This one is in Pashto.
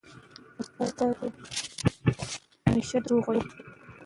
د کلتور د لویو انعامونو ملاتړ کول، نو د کموالي احساس نه دی.